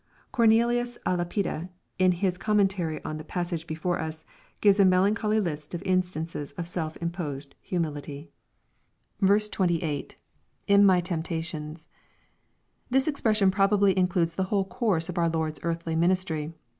Cornelius il Lapide, in hii oommentaiy on the passage before us, gives a melancholy list of ui8taQ<'«s or self imposed humility. 408 EXPOSITORY THOUGHTS, 28. — [In my temptations.] This expression probably includes t\ie whole course of our Lord's earthly ministry.